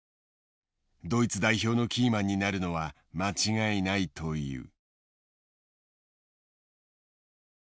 ドイツ代表のキーマンになるのは間違いないという。